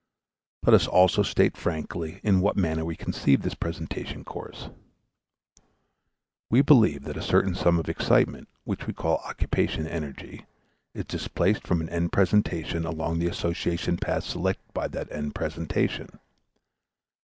Let us also state frankly in what manner we conceive this presentation course. We believe that a certain sum of excitement, which we call occupation energy, is displaced from an end presentation along the association paths selected by that end presentation.